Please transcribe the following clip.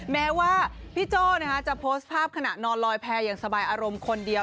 แม้ว่าพี่โจ้จะโพสต์ภาพขณะนอนลอยแพร่อย่างสบายอารมณ์คนเดียว